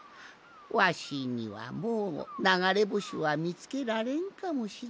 わしにはもうながれぼしはみつけられんかもしれんのう。